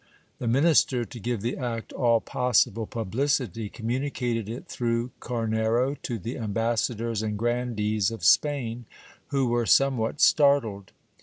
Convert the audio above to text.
The minister, to give the act all possible publicity, communicated it through Carnero to the ambassadors and grandees of Spain, who were somewhat startled.